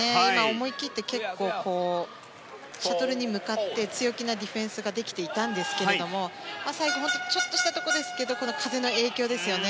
思い切って、結構シャトルに向かって強気なディフェンスができていたんですけれども最後、本当にちょっとしたところですけど風の影響ですよね。